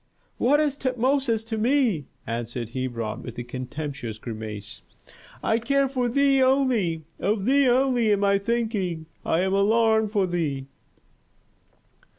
"What is Tutmosis to me?" answered Hebron, with a contemptuous grimace. "I care for thee only! Of thee only am I thinking, I am alarmed for thee!"